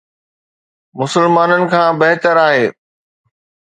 مسلمانن کان بهتر آهي